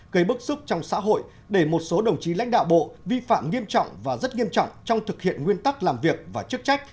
gây bức xúc trong xã hội để một số đồng chí lãnh đạo bộ vi phạm nghiêm trọng và rất nghiêm trọng trong thực hiện nguyên tắc làm việc và chức trách